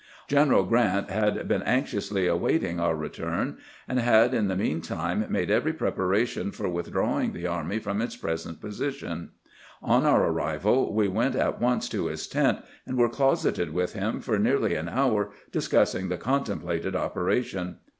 General Q rant had been anxiously awaiting our re turn, and had in the mean time made every preparation for withdrawing the army from its present position. On our arrival we went at once to his tent, and were closeted with him for nearly an hour discussing the contemplated operation.